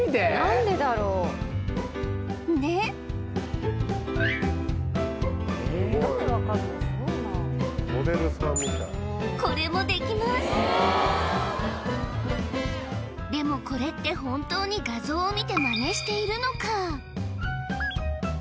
んでこれもできますでもこれって本当に画像を見てマネしているのか？